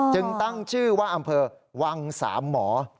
จึงตั้งชื่อว่าอำเภอวังสามหมอ